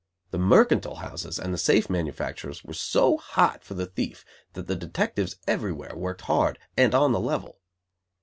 The mercantile house and the safe manufacturers were so hot for the thief that the detectives everywhere worked hard and "on the level".